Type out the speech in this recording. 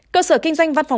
cơ sở kinh doanh văn phòng